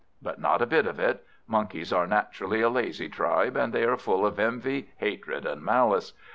But not a bit of it. Monkeys are naturally a lazy tribe, and they are full of envy, hatred, and malice.